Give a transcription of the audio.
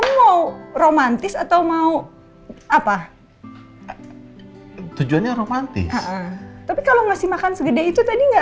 mau romantis atau mau apa tujuannya romantis tapi kalau masih makan segede itu tadi enggak